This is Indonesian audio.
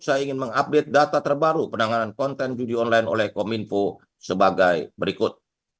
saya ingin mengupdate data terbaru penanganan konten judi online oleh kominfo sebagai berikut